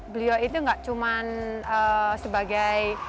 beliau itu gak cuman sebagai